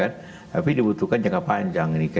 tapi dibutuhkan jangka panjang